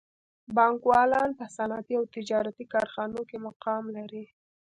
بانکوالان په صنعتي او تجارتي کارخانو کې مقام لري